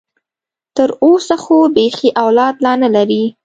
تر اوسه خو بيخي اولاد لا نه لري.